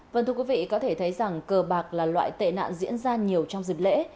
vâng thưa quý vị có thể thấy rằng cờ bạc là loại tệ nạn diễn ra nhiều trong dịp lễ